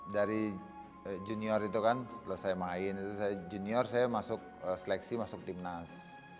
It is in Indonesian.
dari junior itu kan setelah saya main junior saya seleksi masuk timnas